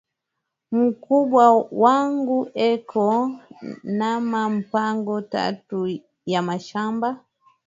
Mukubwa yangu eko nama mpango tatu ya mashamba